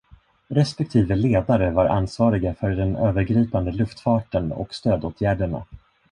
Respektive ledare var ansvariga för den övergripande luftfarten och stödåtgärderna.